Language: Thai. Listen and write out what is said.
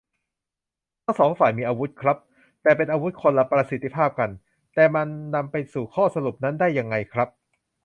ทั้งสองฝ่ายมีอาวุธครับ และเป็นอาวุธคนละประสิทธิภาพกัน แต่มันนำไปสู่ข้อสรุปนั้นได้ยังไงครับ